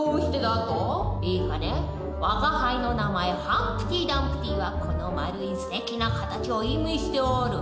我が輩の名前ハンプティ・ダンプティはこの丸いすてきな形を意味しておる。